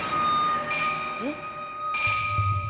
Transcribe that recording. えっ？